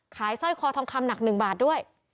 สร้อยคอทองคำหนัก๑บาทด้วย